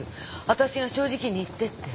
私が正直に言ってって。